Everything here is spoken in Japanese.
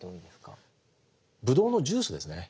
ぶどうのジュースですね。